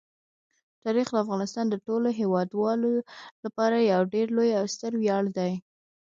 تاریخ د افغانستان د ټولو هیوادوالو لپاره یو ډېر لوی او ستر ویاړ دی.